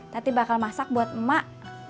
tapi bakal masak buat emak